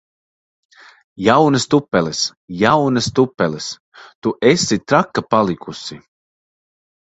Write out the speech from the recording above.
Jaunas tupeles! Jaunas tupeles! Tu esi traka palikusi!